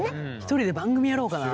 １人で番組やろうかな。